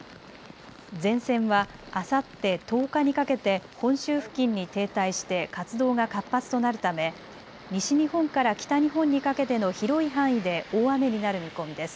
前線はあさって１０日にかけて本州付近に停滞して活動が活発となるため西日本から北日本にかけての広い範囲で大雨になる見込みです。